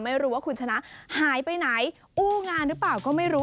ไม่รู้ว่าคุณชนะหายไปไหนอู้งานหรือเปล่าก็ไม่รู้